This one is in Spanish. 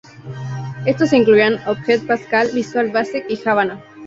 Estos incluían Object Pascal, Visual Basic y Java.